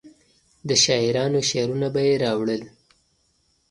د شاعرانو شعرونه به یې راوړل.